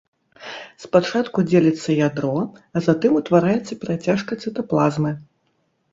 Спачатку дзеліцца ядро, а затым утвараецца перацяжка цытаплазмы.